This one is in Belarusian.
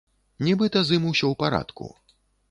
Нібыта з ім усё ў парадку.